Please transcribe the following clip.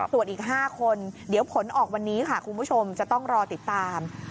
ส่วนอีก๕คนเดี๋ยวผลออกวันนี้ค่ะคุณผู้ชมจะต้องรอติดตาม